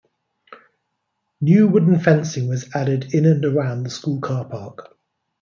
New wooden fencing was added in and around the school car park.